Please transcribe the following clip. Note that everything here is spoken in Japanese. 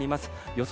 予想